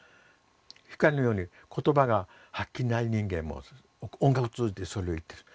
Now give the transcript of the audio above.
光のように言葉がはっきりない人間も音楽を通じてそれを言ってる。